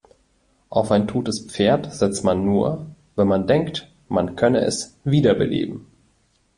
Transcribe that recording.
Auf ein totes Pferd setzt man nur, wenn man denkt, man könne es wiederbeleben.